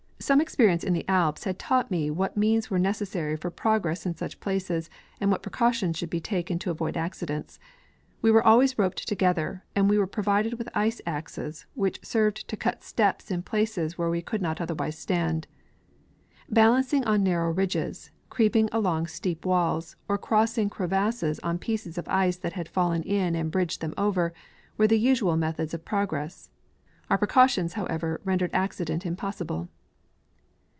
Some experience in the Alps had taught nie what means were necessary for pro gress in such places and what precautions should he taken to avoid accidents. We were always roped together, and were pro vided with ice axes which served to cut ste]3S in places where we could not otherwise stand. Balancing on narrow ridges, creep ing along steep walls, or crossing crevasses on pieces of ice that had fallen in and bridged them over, were the usual methods of progress. Our precautions, however, rendered accident im possible.